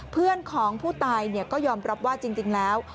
เพื่อนของผู้ตายก็ยอมรับว่าจริงแล้ว